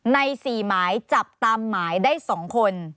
ใน๔หมายจับตามหมายได้๒คน